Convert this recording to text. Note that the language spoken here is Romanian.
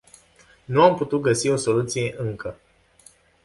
Nu am putut găsi o soluție încă.